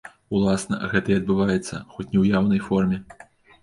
Уласна, гэта і адбываецца, хоць не ў яўнай форме.